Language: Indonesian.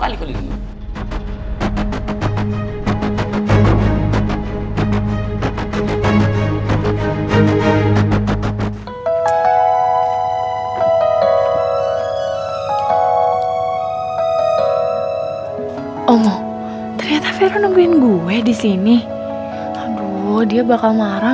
lu tampar gua sekarang